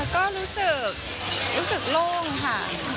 ก็รู้สึกรกค่ะ